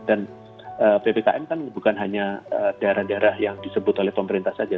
dan ppkm kan bukan hanya daerah daerah yang disebut oleh pemerintah saja